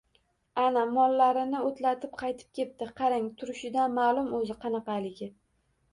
Ana, mollarini oʻtlatib qaytib kepti. Qarang, turishidan maʼlum, oʻzi, qanaqaligi.